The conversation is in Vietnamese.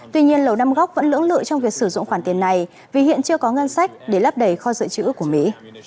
tuy nhiên lầu năm góc vẫn lưỡng lự trong việc sử dụng khoản tiền này vì hiện chưa có ngân sách để lấp đầy kho dự trữ của mỹ